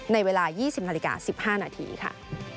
ในเวลา๒๐นาฬิกา๑๕นาทีค่ะ